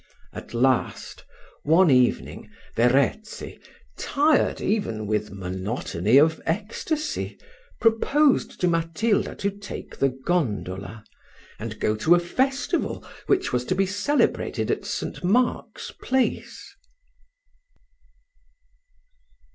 At last, one evening Verezzi, tired even with monotony of ecstasy, proposed to Matilda to take the gondola, and go to a festival which was to be celebrated at St. Mark's Place.